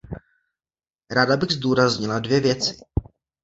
Ráda bych zdůraznila dvě věci.